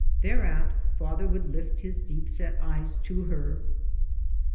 Thereat father would lift his deep set eyes to her.